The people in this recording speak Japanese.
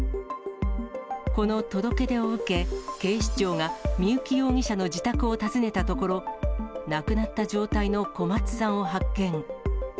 この届け出を受け、警視庁が三幸容疑者の自宅を訪ねたところ、亡くなった状態の小松さんを発見。